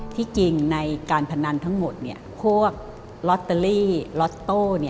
ที่จริงในการพนันทั้งหมดพวกลอตเตอรี่ล็อตโต้